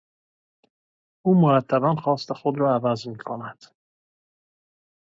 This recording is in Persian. او مرتبا خواست خود را عوض می کند.